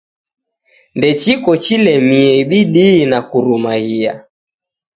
Ndechiko chilemie bidii na kurumaghia.